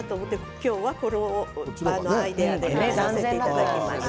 今日はこのアイデアでさせていただきました。